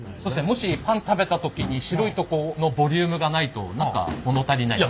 もしパン食べた時に白いとこのボリュームがないと何か物足りない。